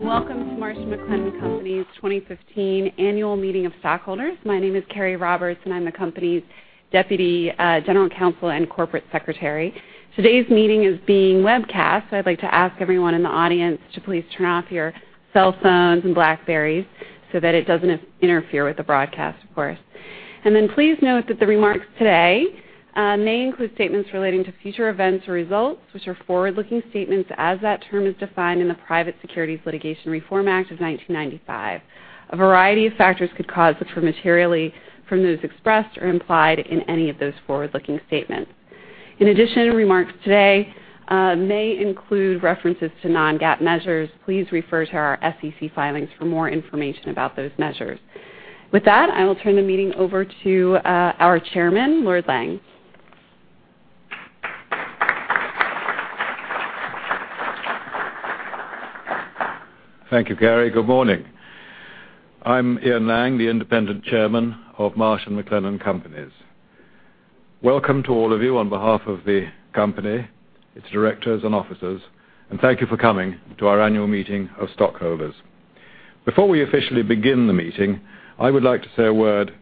Welcome to Marsh & McLennan Companies' 2015 Annual Meeting of Stockholders. My name is Carey Roberts, and I'm the company's deputy general counsel and corporate secretary. Today's meeting is being webcast, I'd like to ask everyone in the audience to please turn off your cell phones and BlackBerries so that it doesn't interfere with the broadcast, of course. Please note that the remarks today may include statements relating to future events or results, which are forward-looking statements as that term is defined in the Private Securities Litigation Reform Act of 1995. A variety of factors could cause the term materially from those expressed or implied in any of those forward-looking statements. In addition, remarks today may include references to non-GAAP measures. Please refer to our SEC filings for more information about those measures. With that, I will turn the meeting over to our chairman, Lord Lang. Thank you, Carey. Good morning. I'm Ian Lang, the independent chairman of Marsh & McLennan Companies. Welcome to all of you on behalf of the company, its directors and officers, and thank you for coming to our annual meeting of stockholders. Before we officially begin the meeting, I would like to say a word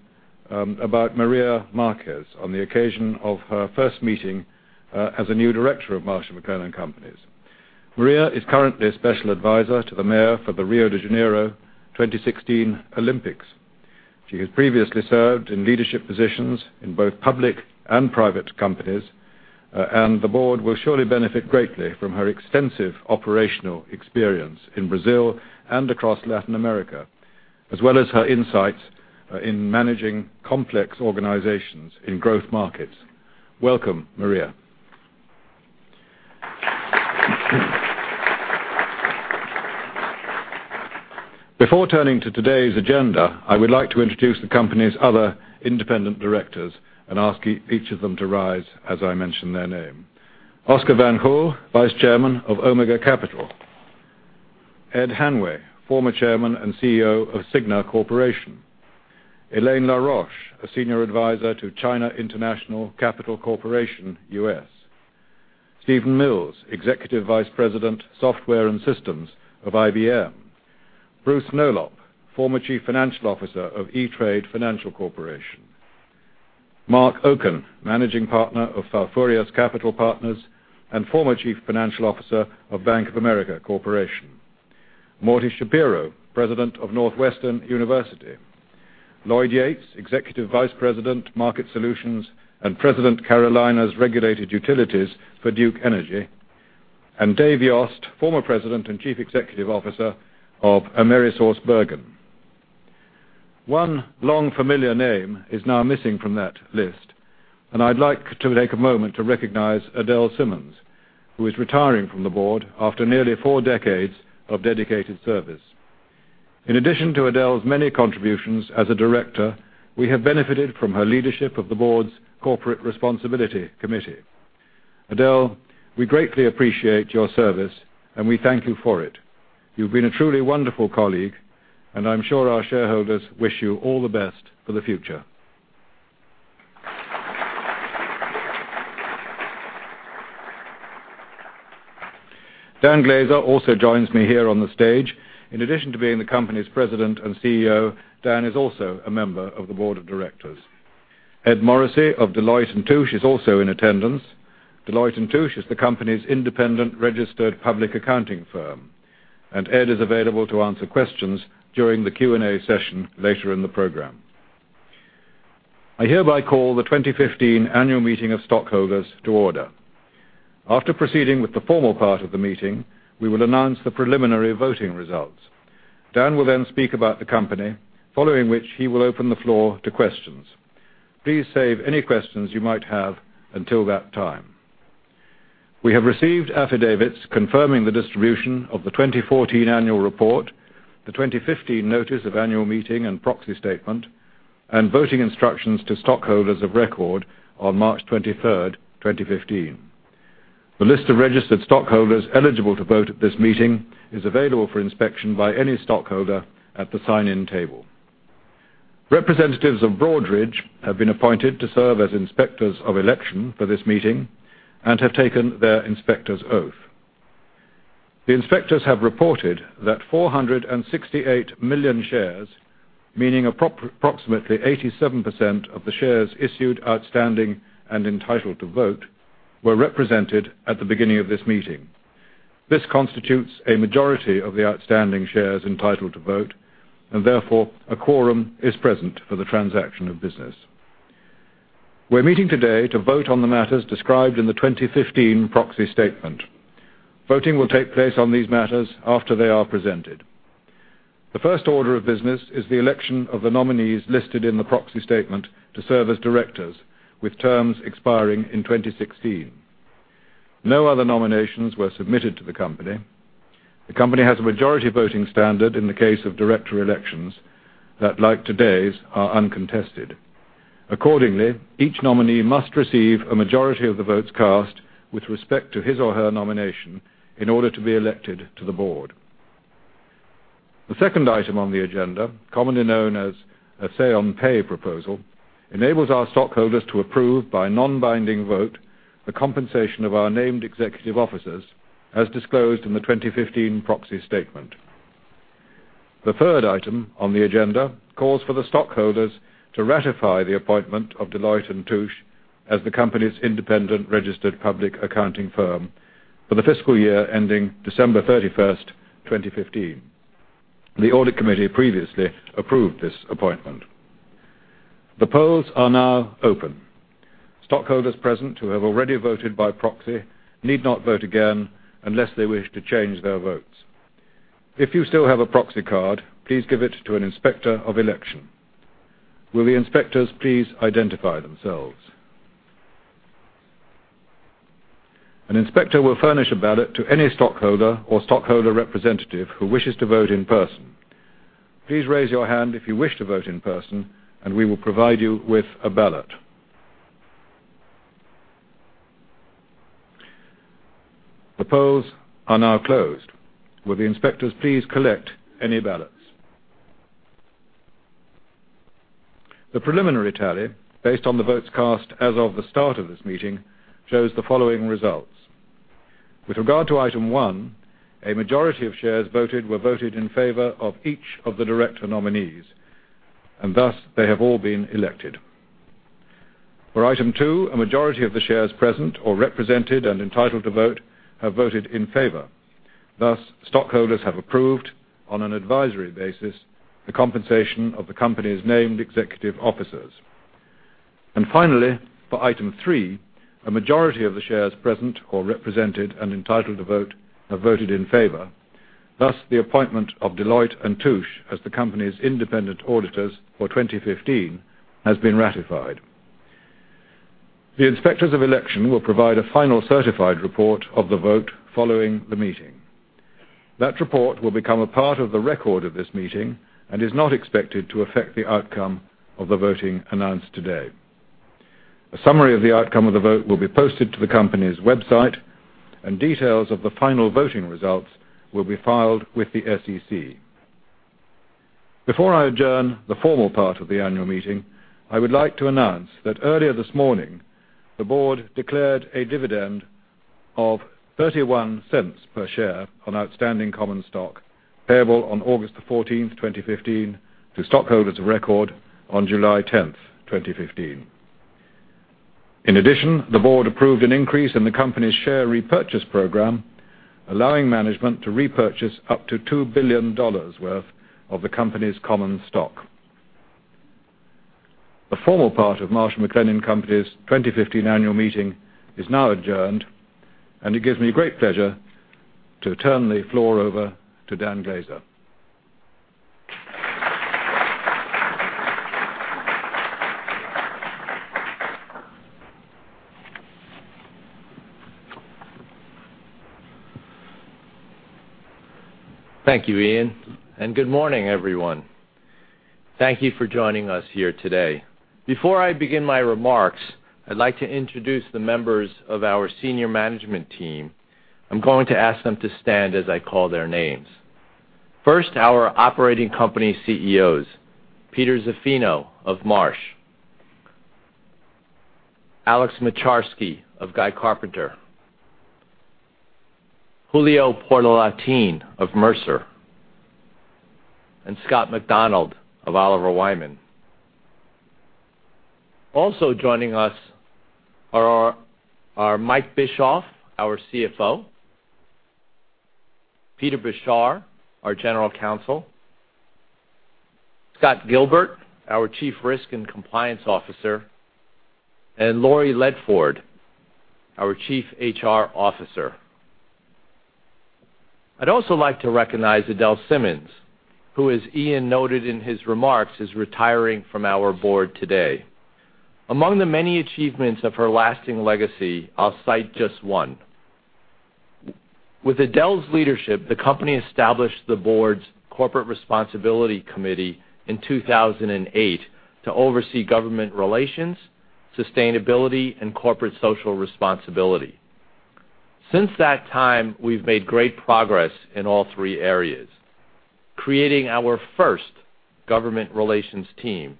about Maria Marques on the occasion of her first meeting as a new director of Marsh & McLennan Companies. Maria is currently a special advisor to the mayor for the Rio de Janeiro 2016 Olympics. She has previously served in leadership positions in both public and private companies, and the board will surely benefit greatly from her extensive operational experience in Brazil and across Latin America, as well as her insights in managing complex organizations in growth markets. Welcome, Maria. Before turning to today's agenda, I would like to introduce the company's other independent directors and ask each of them to rise as I mention their name. Oscar Van Hool, vice chairman of Omega Capital. Ed Hanway, former chairman and CEO of Cigna Corporation. Elaine La Roche, a senior advisor to China International Capital Corporation US. Steven Mills, executive vice president, Software and Systems of IBM. Bruce Nolop, former chief financial officer of E*TRADE Financial Corporation. Marc Oken, managing partner of Porphyry Capital Partners and former chief financial officer of Bank of America Corporation. Morton Schapiro, president of Northwestern University. Lloyd Yates, executive vice president, Market Solutions and president, Carolinas Regulated Utilities for Duke Energy. Dave Yost, former president and chief executive officer of AmerisourceBergen. One long-familiar name is now missing from that list, I'd like to take a moment to recognize Adele Simmons, who is retiring from the board after nearly 4 decades of dedicated service. In addition to Adele's many contributions as a director, we have benefited from her leadership of the board's Corporate Responsibility Committee. Adele, we greatly appreciate your service, and we thank you for it. You've been a truly wonderful colleague, and I'm sure our shareholders wish you all the best for the future. Dan Glaser also joins me here on the stage. In addition to being the company's president and CEO, Dan is also a member of the board of directors. Ed Morrissey of Deloitte & Touche is also in attendance. Deloitte & Touche is the company's independent registered public accounting firm. Ed is available to answer questions during the Q&A session later in the program. I hereby call the 2015 Annual Meeting of Stockholders to order. After proceeding with the formal part of the meeting, we will announce the preliminary voting results. Dan will speak about the company, following which he will open the floor to questions. Please save any questions you might have until that time. We have received affidavits confirming the distribution of the 2014 annual report, the 2015 notice of annual meeting and proxy statement, and voting instructions to stockholders of record on March 23rd, 2015. The list of registered stockholders eligible to vote at this meeting is available for inspection by any stockholder at the sign-in table. Representatives of Broadridge have been appointed to serve as inspectors of election for this meeting and have taken their inspector's oath. The inspectors have reported that 468 million shares, meaning approximately 87% of the shares issued, outstanding, and entitled to vote, were represented at the beginning of this meeting. This constitutes a majority of the outstanding shares entitled to vote, and therefore, a quorum is present for the transaction of business. We're meeting today to vote on the matters described in the 2015 proxy statement. Voting will take place on these matters after they are presented. The first order of business is the election of the nominees listed in the proxy statement to serve as directors, with terms expiring in 2016. No other nominations were submitted to the company. The company has a majority voting standard in the case of director elections that, like today's, are uncontested. Accordingly, each nominee must receive a majority of the votes cast with respect to his or her nomination in order to be elected to the board. The second item on the agenda, commonly known as a say on pay proposal, enables our stockholders to approve by non-binding vote the compensation of our named executive officers as disclosed in the 2015 proxy statement. The third item on the agenda calls for the stockholders to ratify the appointment of Deloitte & Touche as the company's independent registered public accounting firm for the fiscal year ending December 31st, 2015. The audit committee previously approved this appointment. The polls are now open. Stockholders present who have already voted by proxy need not vote again unless they wish to change their votes. If you still have a proxy card, please give it to an inspector of election. Will the inspectors please identify themselves? An inspector will furnish a ballot to any stockholder or stockholder representative who wishes to vote in person. Please raise your hand if you wish to vote in person and we will provide you with a ballot. The polls are now closed. Will the inspectors please collect any ballots? The preliminary tally, based on the votes cast as of the start of this meeting, shows the following results. With regard to item one, a majority of shares voted were voted in favor of each of the director nominees, and thus they have all been elected. For item two, a majority of the shares present or represented and entitled to vote have voted in favor. Thus, stockholders have approved on an advisory basis the compensation of the company's named executive officers. Finally, for item three, a majority of the shares present or represented and entitled to vote have voted in favor. Thus, the appointment of Deloitte & Touche as the company's independent auditors for 2015 has been ratified. The inspectors of election will provide a final certified report of the vote following the meeting. That report will become a part of the record of this meeting and is not expected to affect the outcome of the voting announced today. A summary of the outcome of the vote will be posted to the company's website, and details of the final voting results will be filed with the SEC. Before I adjourn the formal part of the annual meeting, I would like to announce that earlier this morning, the board declared a dividend of $0.31 per share on outstanding common stock payable on August 14th, 2015, to stockholders of record on July 10th, 2015. In addition, the board approved an increase in the company's share repurchase program, allowing management to repurchase up to $2 billion worth of the company's common stock. The formal part of Marsh & McLennan Companies 2015 annual meeting is now adjourned. It gives me great pleasure to turn the floor over to Dan Glaser. Thank you, Ian. Good morning, everyone. Thank you for joining us here today. Before I begin my remarks, I'd like to introduce the members of our senior management team. I'm going to ask them to stand as I call their names. First, our operating company CEOs, Peter Zaffino of Marsh, Alex Moczarski of Guy Carpenter, Julio Portalatin of Mercer, and Scott McDonald of Oliver Wyman. Also joining us are our Mike Bischoff, our CFO, Peter Beshar, our General Counsel, Scott Gilbert, our Chief Risk and Compliance Officer, and Laurie Ledford, our Chief HR Officer. I'd also like to recognize Adele Simmons, who as Ian noted in his remarks, is retiring from our board today. Among the many achievements of her lasting legacy, I'll cite just one. With Adele's leadership, the company established the board's Corporate Responsibility Committee in 2008 to oversee government relations, sustainability, and corporate social responsibility. Since that time, we've made great progress in all three areas, creating our first government relations team,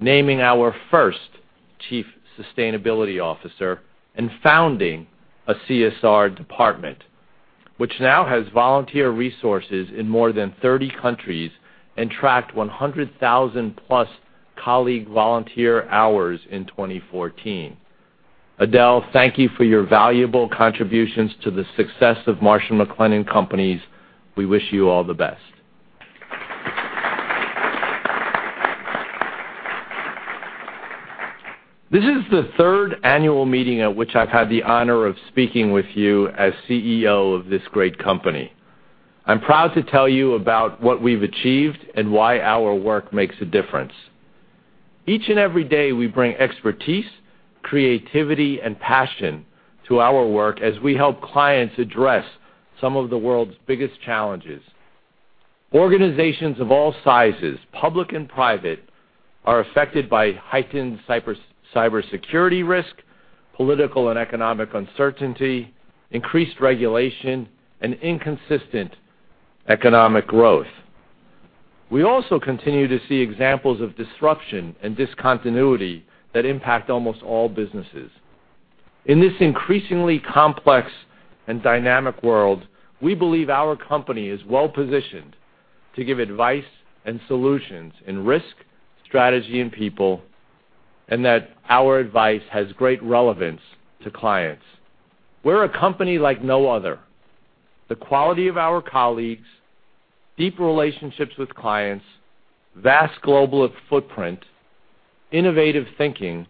naming our first chief sustainability officer, and founding a CSR department, which now has volunteer resources in more than 30 countries and tracked 100,000-plus colleague volunteer hours in 2014. Adele, thank you for your valuable contributions to the success of Marsh & McLennan Companies. We wish you all the best. This is the third annual meeting at which I've had the honor of speaking with you as CEO of this great company. I'm proud to tell you about what we've achieved and why our work makes a difference. Each and every day, we bring expertise, creativity, and passion to our work as we help clients address some of the world's biggest challenges. Organizations of all sizes, public and private, are affected by heightened cybersecurity risk, political and economic uncertainty, increased regulation, and inconsistent economic growth. We also continue to see examples of disruption and discontinuity that impact almost all businesses. In this increasingly complex and dynamic world, we believe our company is well-positioned to give advice and solutions in risk, strategy, and people, and that our advice has great relevance to clients. We're a company like no other. The quality of our colleagues, deep relationships with clients, vast global footprint, innovative thinking,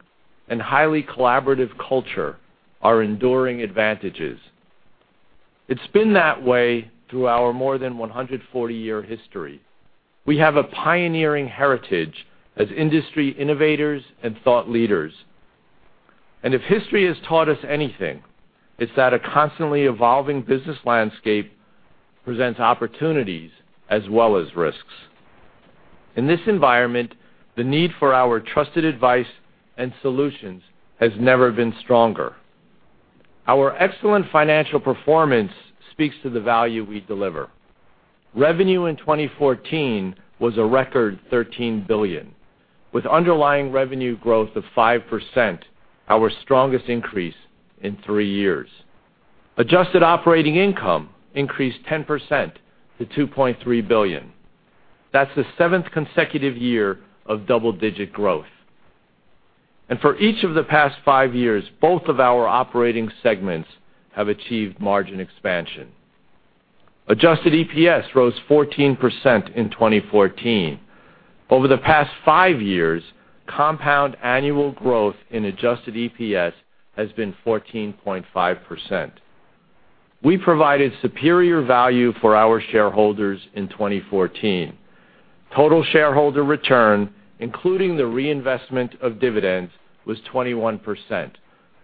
and highly collaborative culture are enduring advantages. It's been that way through our more than 140-year history. We have a pioneering heritage as industry innovators and thought leaders. If history has taught us anything, it's that a constantly evolving business landscape presents opportunities as well as risks. In this environment, the need for our trusted advice and solutions has never been stronger. Our excellent financial performance speaks to the value we deliver. Revenue in 2014 was a record $13 billion, with underlying revenue growth of 5%, our strongest increase in three years. Adjusted operating income increased 10% to $2.3 billion. That's the seventh consecutive year of double-digit growth. For each of the past five years, both of our operating segments have achieved margin expansion. Adjusted EPS rose 14% in 2014. Over the past five years, compound annual growth in adjusted EPS has been 14.5%. We provided superior value for our shareholders in 2014. Total shareholder return, including the reinvestment of dividends, was 21%,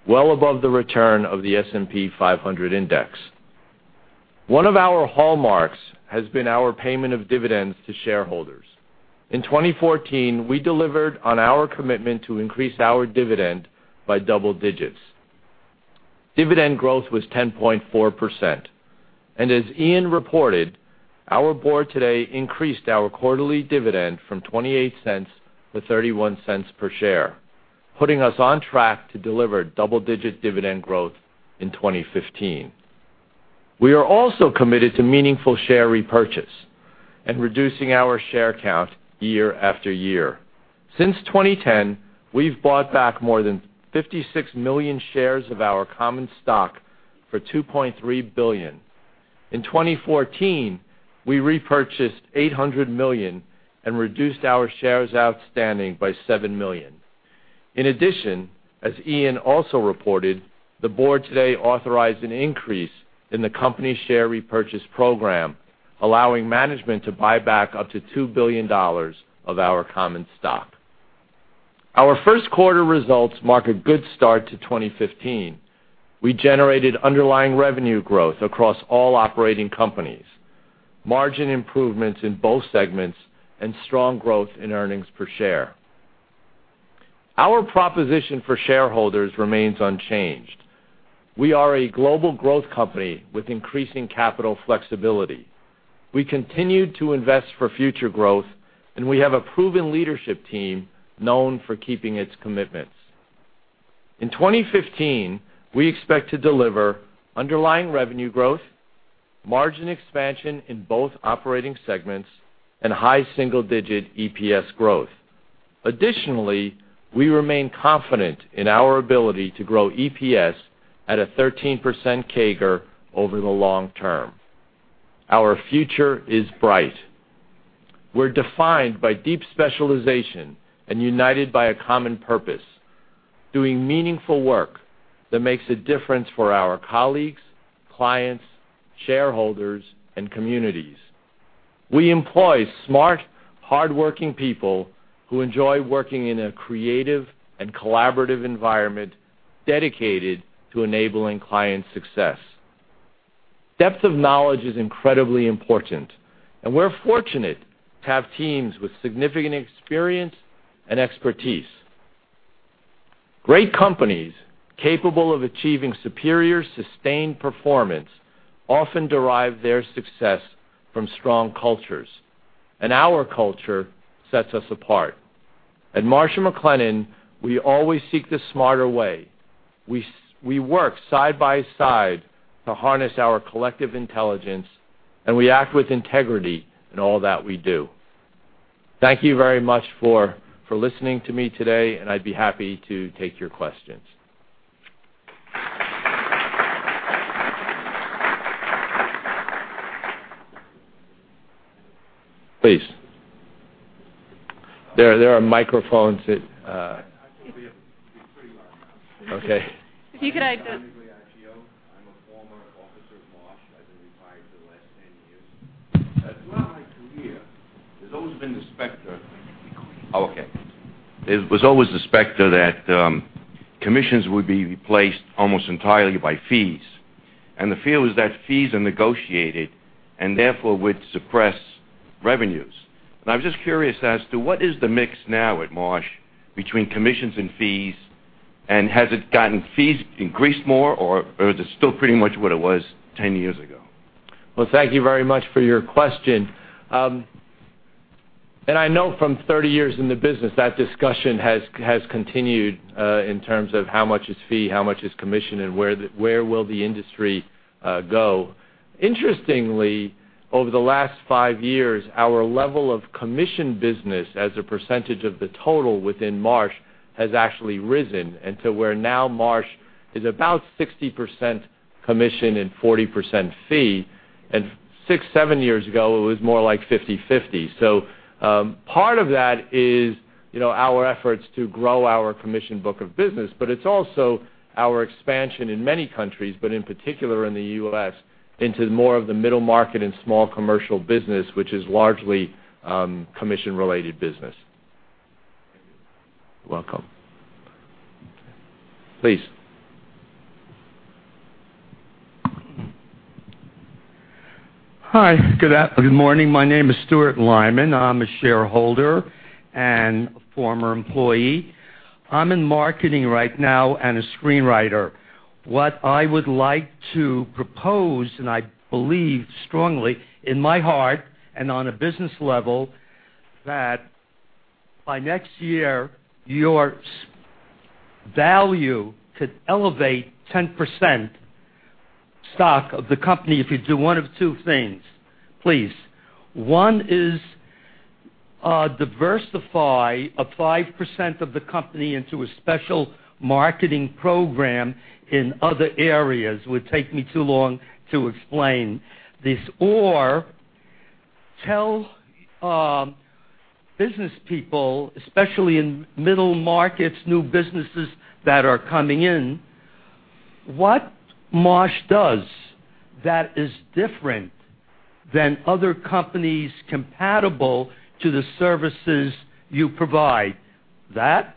well above the return of the S&P 500 Index. One of our hallmarks has been our payment of dividends to shareholders. In 2014, we delivered on our commitment to increase our dividend by double digits. Dividend growth was 10.4%. As Ian reported, our board today increased our quarterly dividend from $0.28 to $0.31 per share, putting us on track to deliver double-digit dividend growth in 2015. We are also committed to meaningful share repurchase and reducing our share count year after year. Since 2010, we've bought back more than 56 million shares of our common stock for $2.3 billion. In 2014, we repurchased $800 million and reduced our shares outstanding by 7 million. As Ian also reported, the board today authorized an increase in the company share repurchase program, allowing management to buy back up to $2 billion of our common stock. Our first quarter results mark a good start to 2015. We generated underlying revenue growth across all operating companies, margin improvements in both segments, and strong growth in earnings per share. Our proposition for shareholders remains unchanged. We are a global growth company with increasing capital flexibility. We continue to invest for future growth. We have a proven leadership team known for keeping its commitments. In 2015, we expect to deliver underlying revenue growth, margin expansion in both operating segments, and high single-digit EPS growth. We remain confident in our ability to grow EPS at a 13% CAGR over the long term. Our future is bright. We're defined by deep specialization and united by a common purpose, doing meaningful work that makes a difference for our colleagues, clients, shareholders, and communities. We employ smart, hardworking people who enjoy working in a creative and collaborative environment dedicated to enabling client success. Depth of knowledge is incredibly important. We're fortunate to have teams with significant experience and expertise. Great companies capable of achieving superior, sustained performance often derive their success from strong cultures. Our culture sets us apart. At Marsh & McLennan, we always seek the smarter way. We work side by side to harness our collective intelligence. We act with integrity in all that we do. Thank you very much for listening to me today. I'd be happy to take your questions. Please. There are microphones that I can be pretty loud. Okay. If you could- My name is Don Riachiio. I'm a former officer at Marsh. I've been retired for the last 10 years. Throughout my career, there's always been the specter Oh, okay. There was always the specter that commissions would be replaced almost entirely by fees. The feel is that fees are negotiated and therefore would suppress revenues. I was just curious as to what is the mix now at Marsh between commissions and fees, and has it gotten fees increased more or is it still pretty much what it was 10 years ago? Thank you very much for your question. I know from 30 years in the business that discussion has continued in terms of how much is fee, how much is commission, and where will the industry go. Interestingly, over the last five years, our level of commission business as a percentage of the total within Marsh has actually risen until where now Marsh is about 60% commission and 40% fee, and six, seven years ago, it was more like 50/50. Part of that is our efforts to grow our commission book of business, but it's also our expansion in many countries, but in particular in the U.S. into more of the middle market and small commercial business, which is largely commission-related business. Thank you. Welcome. Please. Hi, good morning. My name is Stuart Lyman. I'm a shareholder and former employee. I'm in marketing right now and a screenwriter. What I would like to propose, I believe strongly in my heart and on a business level, that by next year, your value could elevate 10% stock of the company if you do one of two things, please. One is diversify 5% of the company into a special marketing program in other areas. Would take me too long to explain this. Tell business people, especially in middle markets, new businesses that are coming in, what Marsh does that is different than other companies compatible to the services you provide. That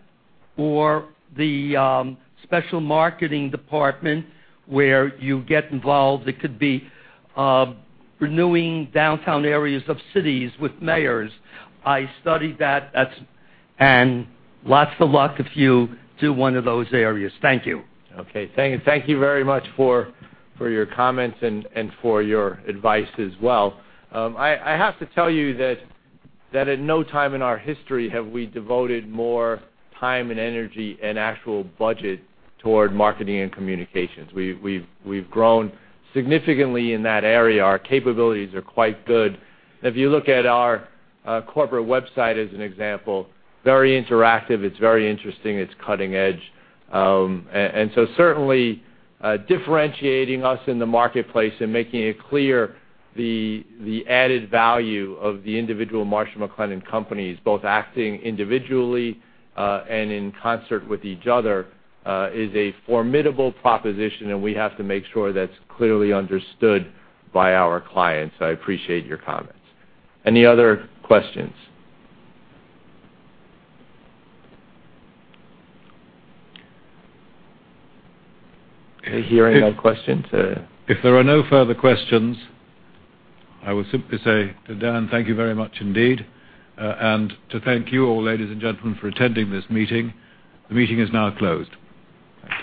or the special marketing department where you get involved, it could be renewing downtown areas of cities with mayors. I studied that, Lots of luck if you do one of those areas. Thank you. Okay. Thank you very much for your comments and for your advice as well. I have to tell you that at no time in our history have we devoted more time and energy and actual budget toward marketing and communications. We've grown significantly in that area. Our capabilities are quite good. If you look at our corporate website as an example, very interactive. It's very interesting. It's cutting edge. Certainly differentiating us in the marketplace and making it clear the added value of the individual Marsh & McLennan Companies, both acting individually and in concert with each other is a formidable proposition, and we have to make sure that's clearly understood by our clients. I appreciate your comments. Any other questions? Hearing no questions. If there are no further questions, I will simply say to Dan, thank you very much indeed. To thank you all, ladies and gentlemen, for attending this meeting. The meeting is now closed. Thank you.